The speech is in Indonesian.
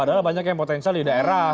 adalah banyak yang potensial di daerah